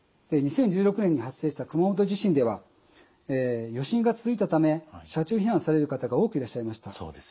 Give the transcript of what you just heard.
２０１６年に発生した熊本地震では余震が続いたため車中避難される方が多くいらっしゃいました。